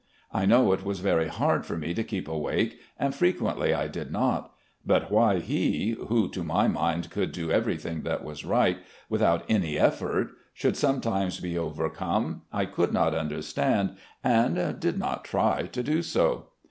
I know it was very hard for me to keep awake, and frequently I did not; but why he, who to my mind could do eveiything that was right, without any effort, should sometimes be overcome, I could not understand, and did not try to do so.